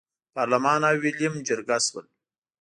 پارلمان او ویلیم جرګه شول.